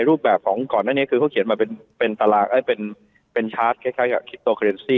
รูปแบบของก่อนหน้านี้คือเขาเขียนมาเป็นเป็นตารางเอ่อเป็นเป็นชาร์จคล้ายคล้ายกับนะครับ